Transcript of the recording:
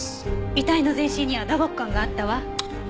遺体の全身には打撲痕があったわ。